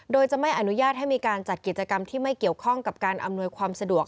โดยจะไม่อนุญาตให้มีการจัดกิจกรรมที่ไม่เกี่ยวข้องกับการอำนวยความสะดวก